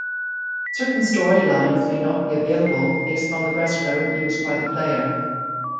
Certain storylines may not be available based on the wrestler used by the player.